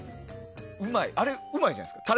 あれうまいじゃないですか。